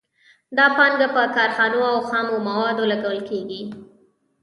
دا پانګه په کارخانو او خامو موادو لګول کېږي